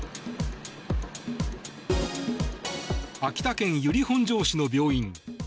秋田県由利本荘市の病院。